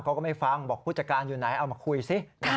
ก็ไม่ฟังบอกผู้จัดการอยู่ไหนเอามาคุยสิ